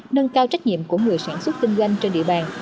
nâng cao trách nhiệm của người sản xuất kinh doanh trên địa bàn